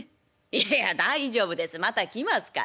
いや大丈夫ですまた来ますからえ？